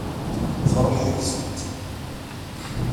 Truḥ deg-sent.